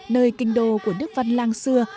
nơi kinh đồ của nước văn lang xưa